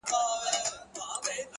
• د باندي الوزي د ژمي ساړه توند بادونه,